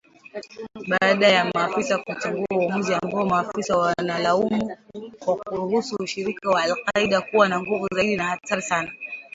baada ya maafisa kutengua uamuzi ambao maafisa wanalaumu kwa kuruhusu ushirika wa al-Qaida kuwa na nguvu zaidi na hatari sana